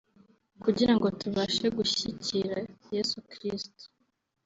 kugira ngo tubashe gushyikira Yezu Kristu